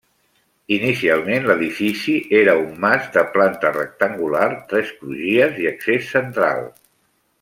Inicialment l'edifici era un mas de planta rectangular, tres crugies i accés central.